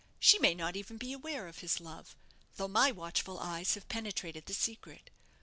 "She may not even be aware of his love, though my watchful eyes have penetrated the secret.